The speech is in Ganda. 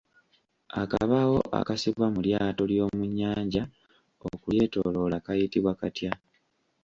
Akabaawo akasibwa mu lyato ly'omu nnyanja okulyetooloola kayitibwa katya?